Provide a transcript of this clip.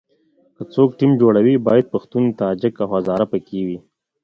که څوک ټیم جوړوي باید پښتون، تاجک او هزاره په کې وي.